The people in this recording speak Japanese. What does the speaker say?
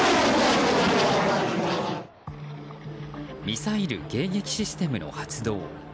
ミサイル迎撃システムの発動。